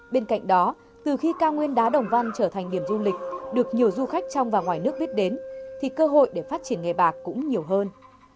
bên cạnh đó từ khi cao nguyên đá đồng văn trở thành điểm du lịch được nhiều du khách trong và ngoài nước biết đến thì cơ hội để phát triển nghề bạc cũng nhiều hơn